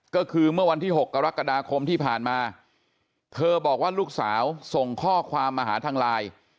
ก็คือเมื่อวันที่๖กรกฎาคมที่ผ่านมาเธอบอกว่าลูกสาวส่งข้อความมาหาทางไลน์